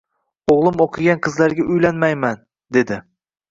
O`g`lim o`qigan qizlarga uylanmayman, dedi